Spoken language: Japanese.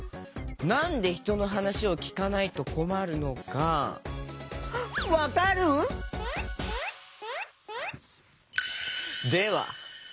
なんでひとのはなしをきかないとこまるのかわかる？では。